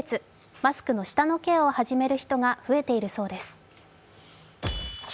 マスクの下のケアを始める人が増えているそうです。